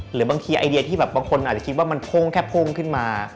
หรือบางทีไอเดียที่แบบบางคนอาจจะคิดว่ามันพุ่งแค่พุ่งขึ้นมา